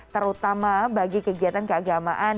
terutama bagi kegiatan keagamaan